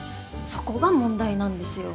そこが問題なんですよ。